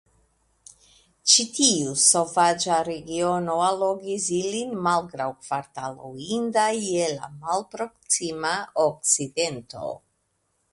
Ĉi tiu sovaĝa regiono allogis ilin malgraŭ kvartalo inda je la Malproksima Okcidento.